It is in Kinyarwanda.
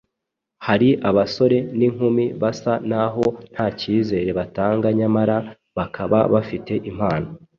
Hari abasore n’inkumi basa n’aho nta cyizere batanga nyamara bakaba bafite impano,